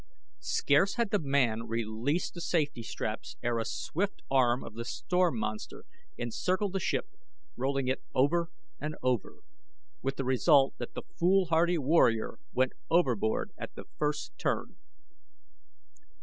Scarce had the man released the safety snaps ere a swift arm of the storm monster encircled the ship, rolling it over and over, with the result that the foolhardy warrior went overboard at the first turn.